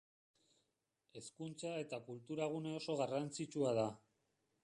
Hezkuntza- eta kultura-gune oso garrantzitsua da.